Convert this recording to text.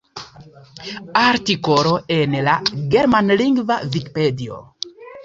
Artikolo en la Germanlingva vikipedio.